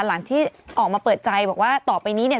หลังที่ออกมาเปิดใจบอกว่าต่อไปนี้เนี่ย